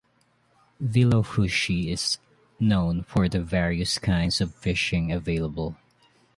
Vilufushi is known for the various kinds of fishing available.